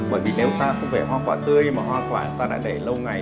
bởi vì nếu ta không về hoa quả tươi mà hoa quả ta đã để lâu ngày